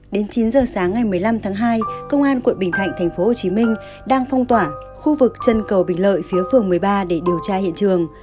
đến chín giờ sáng ngày một mươi năm tháng hai công an quận bình thạnh tp hcm đang phong tỏa khu vực chân cầu bình lợi phía phường một mươi ba để điều tra hiện trường